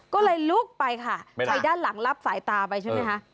ก็เลยลุกไปค่ะไปด้านหลังรับสายตาไปใช่ไหมคะ